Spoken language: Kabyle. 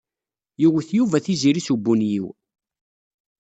Yewwet Yuba Tiziri s ubunyiw.